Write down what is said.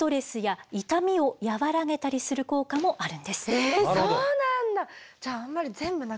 更にえそうなんだ。